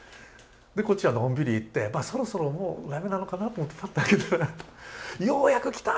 でこっちはのんびり行ってまあそろそろもう駄目なのかなって思ってパッて開けたら「ようやく来た」